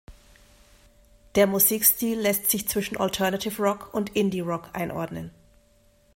Der Musikstil lässt sich zwischen Alternative-Rock und Indie-Rock einordnen.